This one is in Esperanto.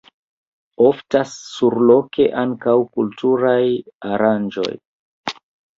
Oftas surloke ankaŭ kulturaj aranĝoj.